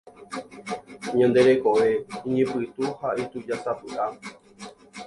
Ñande rekove iñipytũ ha itujásapyʼa.